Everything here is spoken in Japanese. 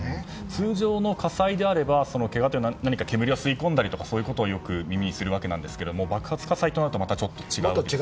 通常の火災であればけがというのは煙を吸い込んだりというのをそういうことをよく耳にしますが爆発火災となるともっと違うと。